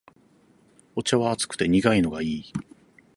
お茶は熱くて苦いのがいい